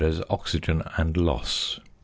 70 Oxygen and loss 1.